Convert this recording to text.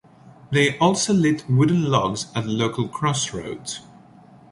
They also lit wooden logs at local crossroads.